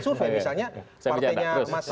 survei misalnya partainya mas